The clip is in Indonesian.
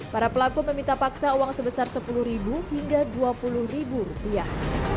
para pelaku meminta paksa uang sebesar sepuluh ribu hingga dua puluh ribu rupiah